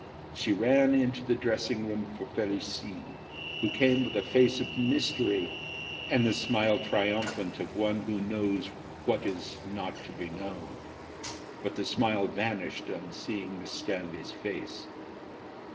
She ran into the dressing room for Felicie, who came with a face of mystery, and the smile triumphant of one who knows what is not to be known. But the smile vanished on seeing Miss Stanley's face.